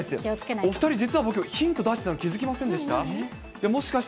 お２人、僕、ヒント出してたの気付きませんでした？